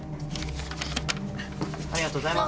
ありがとうございます。